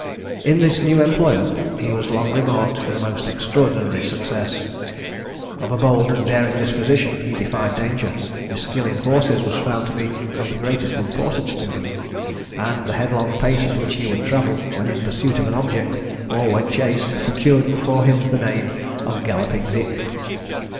In this new employment, he was long remarked for the most extraordinary success. Of a bold and daring disposition, he defied danger. His skill in horses was found to be of the greatest importance to him; and the headlong pace at which he would travel, when in pursuit of an object, or when chased, procured for him the name of "Galloping Dick."